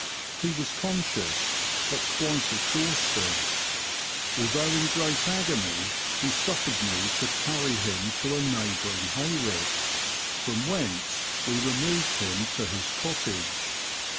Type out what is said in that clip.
He was conscious, but quite exhausted. Although in great agony he suf fered me to carry him to a neighbouring hay rick, from whence we removed him to his cottage.